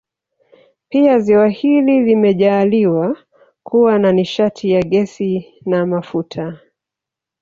Pia ziwa hili limejaaliwa kuwa na nishati ya gesi na mafuta